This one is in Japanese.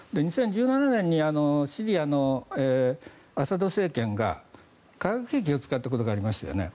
２０１７年にシリアのアサド政権が化学兵器を使ったことがありましたよね。